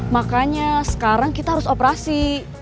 makanya sekarang kita harus operasi